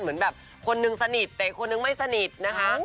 เหมือนแบบคนนึงสนิทแต่อีกคนนึงไม่สนิทนะคะ